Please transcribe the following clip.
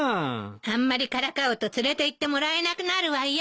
あんまりからかうと連れていってもらえなくなるわよ。